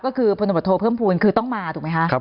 ก็คือพลตำรวจโทเพิ่มภูมิคือต้องมาถูกไหมคะ